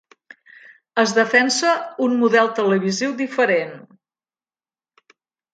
Es defensa un model televisiu diferent.